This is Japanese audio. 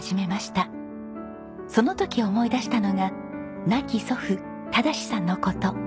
その時思い出したのが亡き祖父忠さんの事。